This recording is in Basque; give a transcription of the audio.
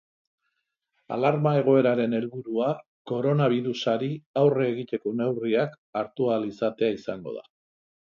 Alarma egoeraren helburua koronabirusari aurre egiteko neurriak hartu ahal izatea izango da.